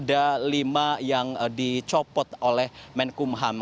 ada lima yang dicopot oleh menkumham